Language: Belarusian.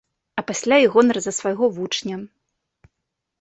А пасля і гонар за свайго вучня.